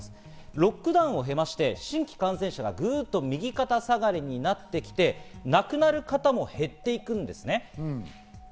ロックダウンを経まして新規感染者がぐっと右肩下がりになってきて、亡くなる方も減っていくんですね。